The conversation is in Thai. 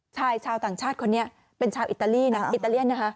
ชายชาวต่างชาติคนนี้เป็นชาวอิตาเลียน